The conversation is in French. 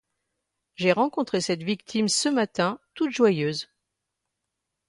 J'ai rencontré cette victime ce matin, toute joyeuse.